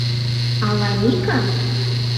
Ала Ника?..